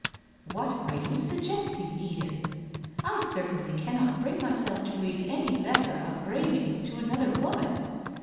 'What are you suggesting, Edith? I certainly cannot bring myself to read any letter of Remy's to another woman.